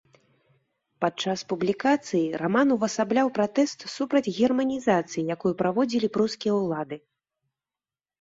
Падчас публікацыі раман увасабляў пратэст супраць германізацыі, якую праводзілі прускія ўлады.